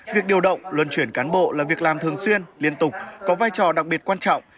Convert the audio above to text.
việc điều động luân chuyển cán bộ là việc làm thường xuyên liên tục có vai trò đặc biệt quan trọng